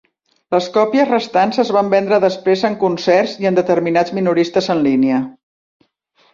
Les còpies restants es van vendre després en concerts i en determinats minoristes en línia.